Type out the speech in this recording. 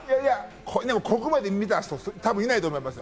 ここまで見た人、たぶんいないと思います。